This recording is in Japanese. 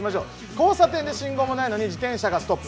「交差点で信号もないのに自転車がストップ。